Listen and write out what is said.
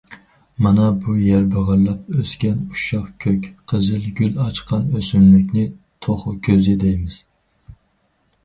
مانا بۇ يەر بېغىرلاپ ئۆسكەن، ئۇششاق كۆك، قىزىل گۈل ئاچقان ئۆسۈملۈكنى« توخۇ كۆزى» دەيمىز.